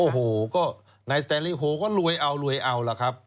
โอ้โหก็นายสเตรลิโฮก็รวยเอารวยเอาล่ะครับ